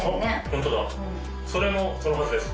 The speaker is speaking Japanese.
ホントだそれもそのはずです